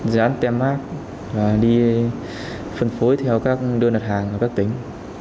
gián tem mát và đi phân phối theo các đơn đặt hàng và các tính